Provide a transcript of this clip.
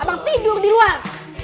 abang tidur di luar